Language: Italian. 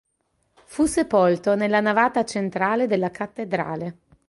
Fu sepolto nella navata centrale della cattedrale.